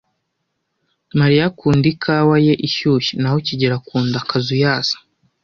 Mariya akunda ikawa ye ishyushye, naho kigeli akunda akazuyazi.